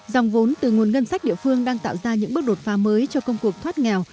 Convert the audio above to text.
dòng vốn từ nguồn ngân sách địa phương đang tạo ra những bước đột phá mới cho công cuộc thoát nghèo